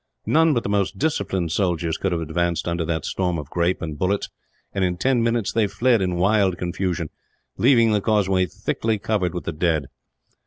None but the most disciplined soldiers could have advanced under that storm of grape and bullets and, in ten minutes, they fled in wild confusion, leaving the causeway thickly covered with the dead.